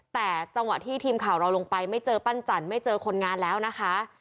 แต่จังหวะที่ทีมข่าวเราลงไปไม่เจอปั้นจันทร์ไม่เจอคนงานแล้วนะคะ